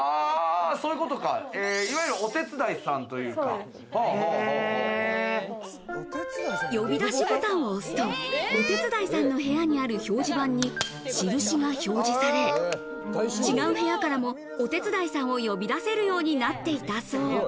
いわゆるお手伝いさんという呼び出しボタンを押すと、お手伝いさんの部屋にある表示板に印が表示され、違う部屋からもお手伝いさんを呼び出せるようになっていたそう。